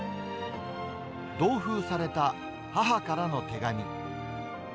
同封された母からの手紙。